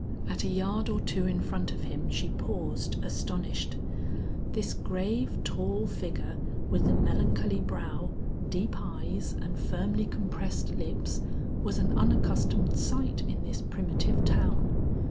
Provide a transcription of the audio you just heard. At a yard or two in front of him she paused astonished. This grave, tall figure with the melancholy brow, deep eyes and firmly compressed lips was an unaccustomed sight in this primitive town.